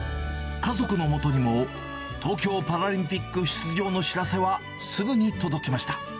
家族のもとにも東京パラリンピック出場の知らせはすぐに届きました。